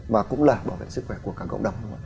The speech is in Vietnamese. mà cũng là bảo vệ sức khỏe của cả cộng đồng